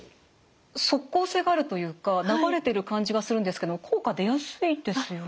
即効性があるというか流れている感じがするんですけど効果出やすいですよね。